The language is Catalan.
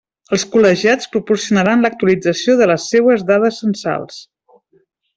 Els col·legiats proporcionaran l'actualització de les seues dades censals.